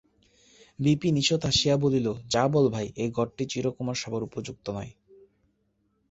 বিপিন ঈষৎ হাসিয়া বলিল, যা বল ভাই, এ ঘরটি চিরকুমার-সভার উপযুক্ত নয়।